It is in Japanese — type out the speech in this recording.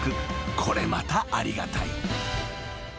これまたありがたい］